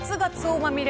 まみれ